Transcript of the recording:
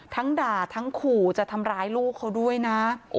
ทั้งด่าทั้งขู่จะทำร้ายลูกเขาด้วยนะ